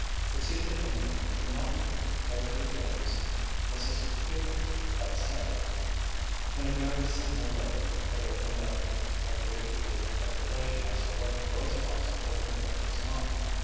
It seemed to him it would not be, but a few things Mrs. Hubers had said in a very simple way had opened up a great deal of speculation as to what was possible and what was not.